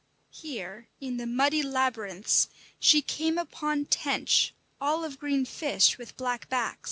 Here in the muddy labyrinths she came upon tench, olive green fish, with black back.